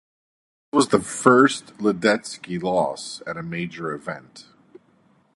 This was the first Ledecky's loss at a major event.